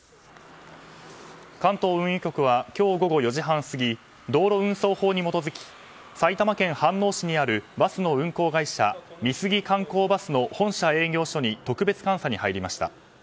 関東運輸局は今日午後４時半過ぎ道路運送法に基づき埼玉県飯能市にあるバスの運行会社美杉観光バスの本社営業所に特別監査に入りました。